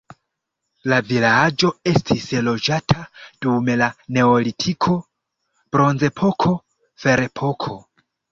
La vilaĝo estis loĝata dum la neolitiko, bronzepoko, ferepoko.